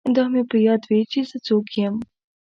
دا مې په یاد وي چې زه څوک یم